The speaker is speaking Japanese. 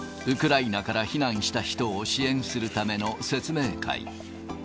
ウクライナから避難した人を支援するための説明会。